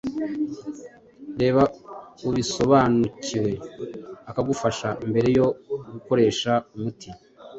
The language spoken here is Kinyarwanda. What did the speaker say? reba ubisobanukiwe akagufasha, mbere yo gukoresha umuti